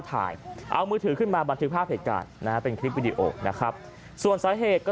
ถ่ายเอามือถือขึ้นมาบันทึกภาพเหตุการณ์นะฮะเป็นคลิปวิดีโอนะครับส่วนสาเหตุก็